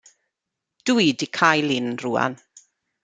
Dw i 'di cael un rŵan.